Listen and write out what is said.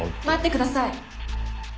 待ってください。